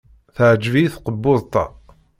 Teɛjeb-iyi tkebbuḍt-a.